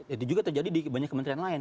itu juga terjadi di banyak kementerian lain